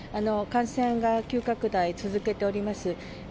感染が急拡大続けております。